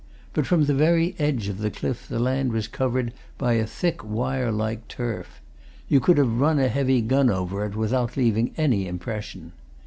But from the very edge of the cliff the land was covered by a thick wire like turf; you could have run a heavy gun over it without leaving any impression.